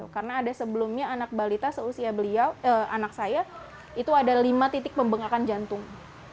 karena ada sebelumnya anak balita seusia beliau anak saya itu ada lima titik pembengkakan jantung